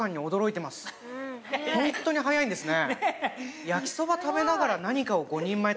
ホントに速いんですね。